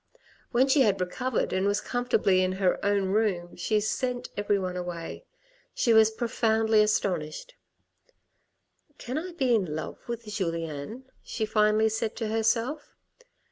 When she had recovered and was comfortably in her own room she sent everyone away. She was profoundly astonished. " Can I be in love with Julien ?" she finally said to herself.